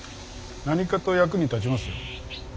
何かと役に立ちますよ。